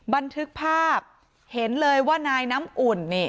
บันทึกภาพเห็นเลยว่านายน้ำอุ่น